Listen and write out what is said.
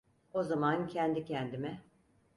O zaman kendi kendime: